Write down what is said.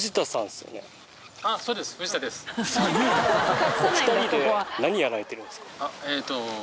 ２人で何やられてるんですか？